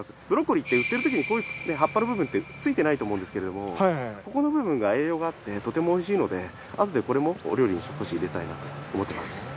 ブロッコリーって売ってるときにこういう葉っぱの部分ってついてないと思うんですけれどもここの部分が栄養があってとてもおいしいのであとでこれもお料理に少し入れたいなと思ってます。